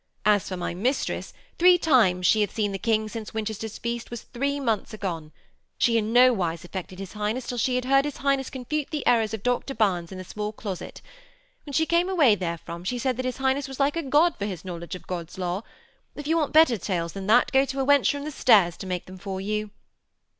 As for my mistress, three times she hath seen the King since Winchester's feast was three months agone. She in no wise affected his Highness till she had heard his Highness confute the errors of Dr Barnes in the small closet. When she came away therefrom she said that his Highness was like a god for his knowledge of God's law. If you want better tales than that go to a wench from the stairs to make them for you.'